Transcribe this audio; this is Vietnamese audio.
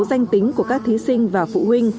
danh tính của các thí sinh và phụ huynh